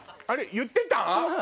言ってた？